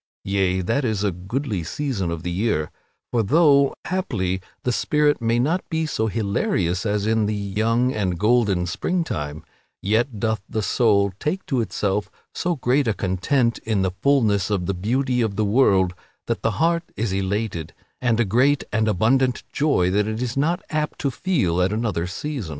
Yea; that is a goodly season of the year, for though, haply, the spirit may not be so hilarious as in the young and golden springtime, yet doth the soul take to itself so great a content in the fulness of the beauty of the world, that the heart is elated with a great and abundant joy that it is not apt to feel at another season.